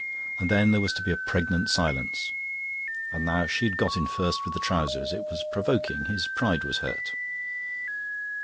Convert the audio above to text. and then there was to be a pregnant silence. And now she had got in first with the trousers. It was provoking; his pride was hurt.